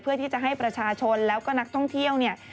เพื่อที่จะให้ประชาชนแล้วก็นักท่องเที่ยวเนี่ย